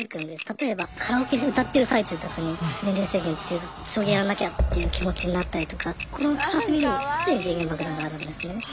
例えばカラオケで歌ってる最中とかに年齢制限っていう将棋やらなきゃっていう気持ちになったりとか心の片隅に常に時限爆弾があるんですね。